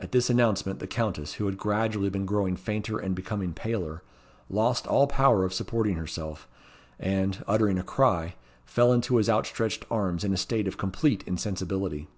At this announcement, the Countess, who had gradually been growing fainter and becoming paler, lost all power of supporting herself, and, uttering a cry, fell into his outstretched arms in a state of complete insensibility.